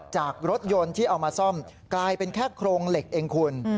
จากรถยนต์ที่เอามาซ่อมกลายเป็นแค่โครงเหล็กเองคุณ